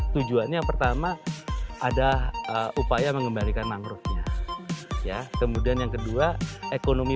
tujuannya pertama ada upaya mengembalikan mangrovenya ya kemudian yang kedua ekonomi